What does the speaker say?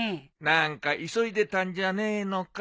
何か急いでたんじゃねえのか？